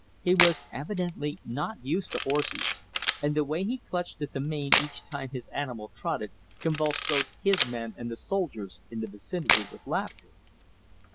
He was evidently not used to horses, and the way he clutched at the mane each time his animal trotted convulsed both his men and the soldiers in the vicinity with laughter.